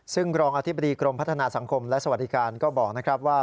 ซึ่งรองอธิบดีกรมพัฒนาสังคมและสวัสดิการก็บอกนะครับว่า